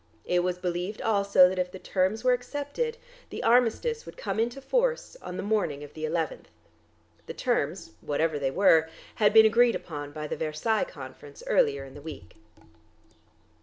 It was believed also that if the terms were accepted, the armistice would come into force on the morning of the eleventh. The terms, whatever they were, had been agreed upon by the Versailles Conference earlier in the week....